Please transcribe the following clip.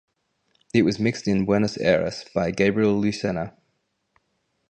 It was mixed in Buenos Aires by Gabriel Lucena.